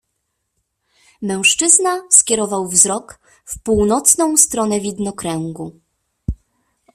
"Mężczyzna skierował wzrok w północną stronę widnokręgu."